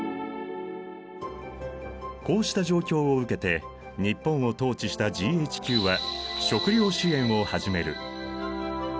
こうした状況を受けて日本を統治したＧＨＱは食糧支援を始める。